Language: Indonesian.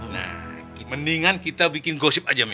nah mendingan kita bikin gosip aja